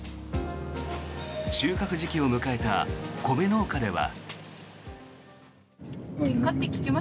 収穫時期を迎えた米農家では。